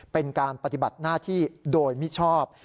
เป็นการปฏิบัติหน้าที่โดยมิชอบ